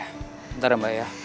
bentar ya mbak ya